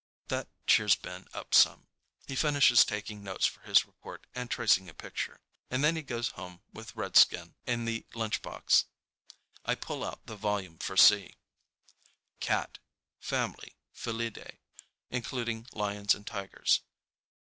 That cheers Ben up some. He finishes taking notes for his report and tracing a picture, and then he goes home with Redskin in the lunchbox. I pull out the volume for C. Cat. Family, Felidae, including lions and tigers.